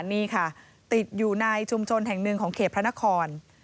นี่ค่ะติดอยู่ในชุมชนแห่งหนึ่งของเขตพระนคร